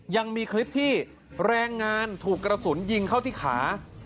ยังมีคลิปที่แรงงานถูกกระสุนยิงเข้าที่ขา